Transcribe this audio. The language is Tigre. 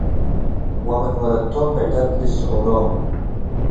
ወምን ወለቶም ብዕደት ልትሰኦሎም ።